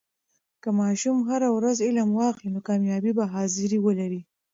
که ماشوم هر ورځ علم واخلي، نو کامیابي به حاضري ولري.